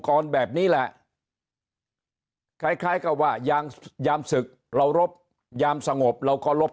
กรแบบนี้แหละคล้ายคล้ายกับว่ายามยามศึกเรารบยามสงบเราก็รบ